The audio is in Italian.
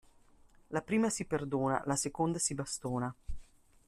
La prima si perdona, la seconda si bastona.